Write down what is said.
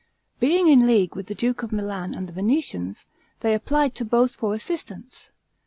Being in league with the duke of Milan and the Venetians, they applied to both for assistance.